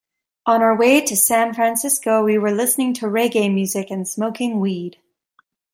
On our way to San Francisco, we were listening to reggae music and smoking weed.